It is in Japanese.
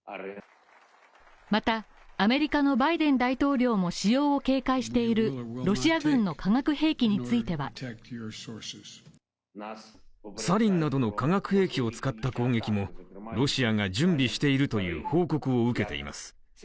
また、アメリカのバイデン大統領も使用を警戒しているロシア軍の化学兵器についてはサリンなどの化学兵器を使った攻撃もロシアが準備しているという報告を受けています。